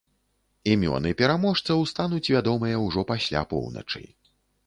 Імёны пераможцаў стануць вядомыя ўжо пасля поўначы.